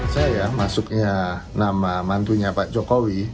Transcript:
saya masuknya nama mantunya pak jokowi